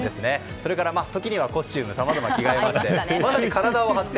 それから時にはコスチュームさまざまな着替えをしてまさに体を張って。